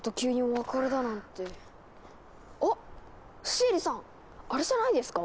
シエリさんあれじゃないですか？